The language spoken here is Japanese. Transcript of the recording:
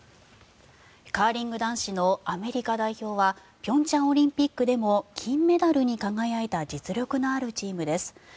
カーリング男子のアメリカ代表は平昌オリンピックでも金メダルに輝いた実力のあるチームです。